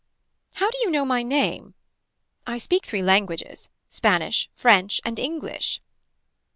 How do you know my name. I speak three languages spanish french and english.